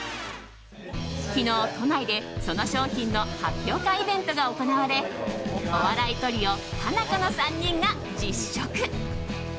昨日、都内でその商品の発表会イベントが行われお笑いトリオハナコの３人が実食。